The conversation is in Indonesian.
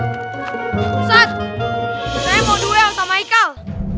ustadz saya mau duel sama aikal